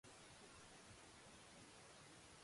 長野県池田町